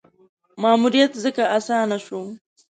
ماموریت ځکه اسانه شو.